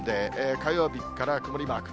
火曜日から曇りマーク。